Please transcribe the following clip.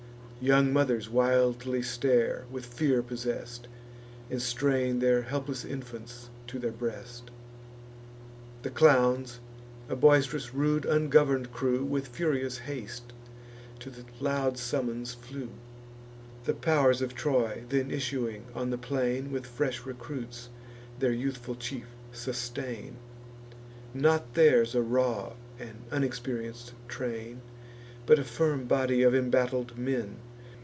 Young mothers wildly stare, with fear possess'd, And strain their helpless infants to their breast. The clowns, a boist'rous, rude, ungovern'd crew, With furious haste to the loud summons flew. The pow'rs of Troy, then issuing on the plain, With fresh recruits their youthful chief sustain: Not theirs a raw and unexperienc'd train, But a firm body of embattled men.